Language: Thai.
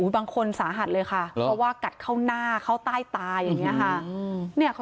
บางคนสาหัสเลยค่ะเพราะว่ากัดเข้าหน้าเข้าใต้ตาอย่างนี้ค่ะ